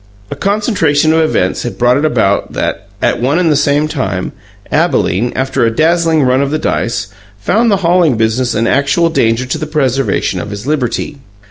A concentration of events had brought it about that, at one and the same time, Abalene, after a dazzling run of the dice, found the hauling business an actual danger to the preservation of his liberty.